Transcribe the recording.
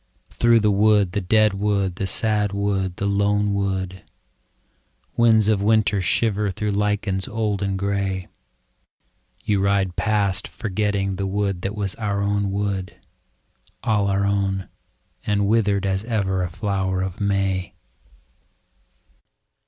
Through the wood, the dead wood, the sad wood, the lone wood, Winds of winter shiver through lichens old and grey. You ride past forgetting the wood that was our own wood. All our own — and withered as ever a flower of May.